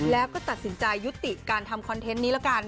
แล้วก็ตัดสินใจยุติการทำคอนเทนต์นี้ละกัน